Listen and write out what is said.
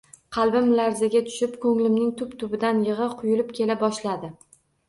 Qalbim larzaga tushib, koʻnglimning tub-tubidan yigʻi quyulib kela boshladi.